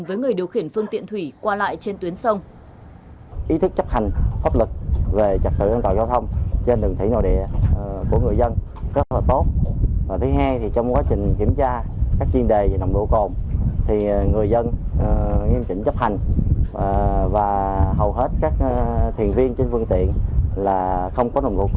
với người điều khiển phương tiện thủy qua lại trên tuyến sông